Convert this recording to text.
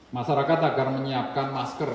masyarakat akan menyiapkan masker